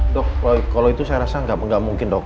dok kalau itu saya rasa nggak mungkin dok